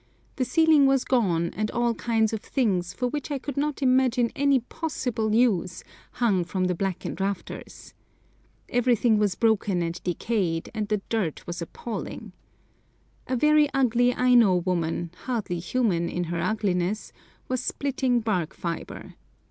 The ceiling was gone, and all kinds of things, for which I could not imagine any possible use, hung from the blackened rafters. Everything was broken and decayed, and the dirt was appalling. A very ugly Aino woman, hardly human in her ugliness, was splitting bark fibre.